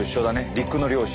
陸の漁師。